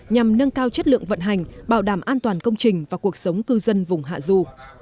nhằm nâng cao chất lượng vận hành bảo đảm an toàn công trình và cuộc sống cư dân vùng hạ du